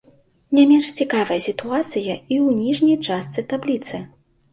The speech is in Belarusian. Не менш цікавая сітуацыя і ў ніжняй частцы табліцы.